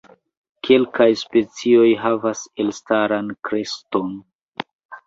Kelkaj specioj havas elstaran kreston.